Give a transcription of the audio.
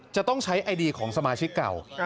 จะต้องใช้ไอดีของสมาชิกเก่า